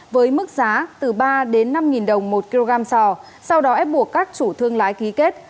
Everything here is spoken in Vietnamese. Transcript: với mức giá từ ba đến năm đồng một kg sò sau đó ép buộc các chủ thương lái ký kết